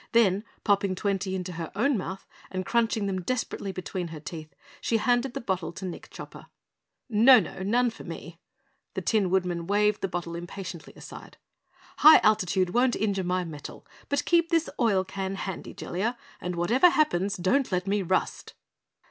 Then, popping twenty into her own mouth and crunching them desperately between her teeth, she handed the bottle to Nick Chopper. "No, No! None for me!" The Tin Woodman waved the bottle impatiently aside. "High altitude won't injure my metal, but keep this oil can handy, Jellia, and whatever happens, don't let me rust!"